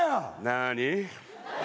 何？